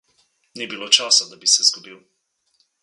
Ni bilo časa, da bi se izgubil.